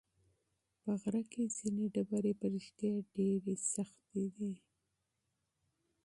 په غره کې ځینې ډبرې په رښتیا ډېرې سختې دي.